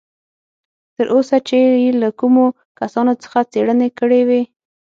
تر اوسه چې یې له کومو کسانو څخه څېړنې کړې وې.